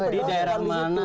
di daerah mana